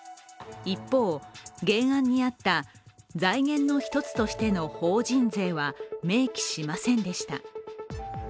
一方、原案にあった財源の一つとしての法人税は明記しませんでした。